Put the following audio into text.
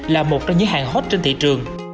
là một trong những hàng hot trên thị trường